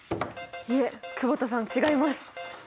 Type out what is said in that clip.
いえ久保田さん違います。